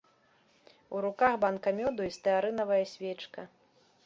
У руках банка мёду і стэарынавая свечка.